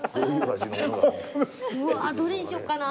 うわどれにしよっかな。